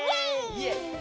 イエーイ！